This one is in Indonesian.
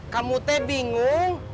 kamu teh bingung